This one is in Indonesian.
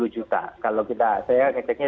tiga puluh juta kalau kita saya ngeceknya